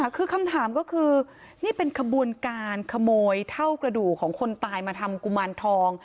คือคำถามก็คือนี่เป็นขบวนการขโมยเท่ากระดูกของคนตายมาทำกุมารทอง